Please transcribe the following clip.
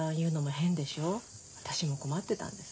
私も困ってたんです。